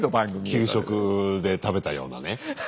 給食で食べたようなね。